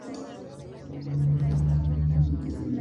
La saga consta de doce obras.